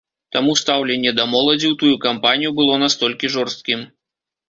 Таму стаўленне да моладзі ў тую кампанію было настолькі жорсткім.